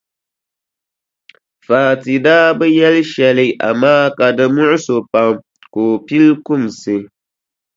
Fati daa bi yɛli shɛli amaa ka di muɣisi o pam ka o pili kumsi.